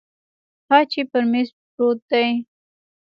ها چې پر میز پروت دی